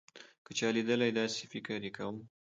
که چا لېدله داسې فکر يې کوو.